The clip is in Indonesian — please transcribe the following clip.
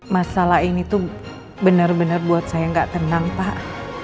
masalah ini tuh bener bener buat saya gak tenang pak